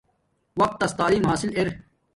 وقت تس تعیم حاصل ار